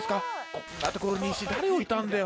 こんなところに石誰置いたんだよ？